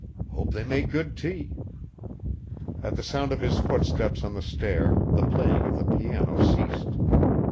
"Hope they make good tea." At the sound of his footsteps on the stair the playing of the piano ceased.